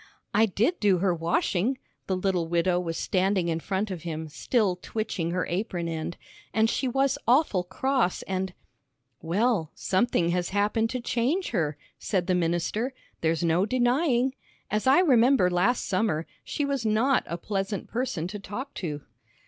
"I did do her washing," the little widow was standing in front of him, still twitching her apron end, "and she was awful cross, and " "Well, something has happened to change her," said the minister, "there's no denying. As I remember last summer, she was not a pleasant person to talk to."